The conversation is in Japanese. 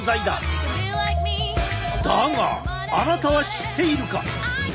だがあなたは知っているか？